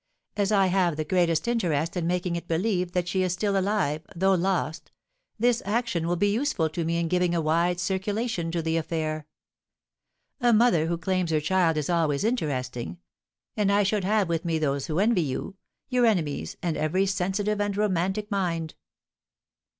As I have the greatest interest in making it believed that she is still alive, though lost, this action will be useful to me in giving a wide circulation to the affair. A mother who claims her child is always interesting; and I should have with me those who envy you, your enemies, and every sensitive and romantic mind."